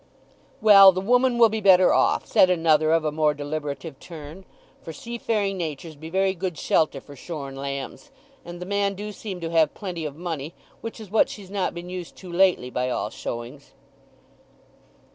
"Well, the woman will be better off," said another of a more deliberative turn. "For seafaring natures be very good shelter for shorn lambs, and the man do seem to have plenty of money, which is what she's not been used to lately, by all showings."